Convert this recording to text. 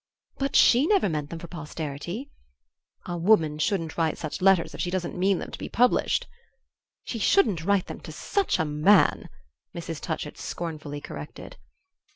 "But she never meant them for posterity!" "A woman shouldn't write such letters if she doesn't mean them to be published...." "She shouldn't write them to such a man!" Mrs. Touchett scornfully corrected.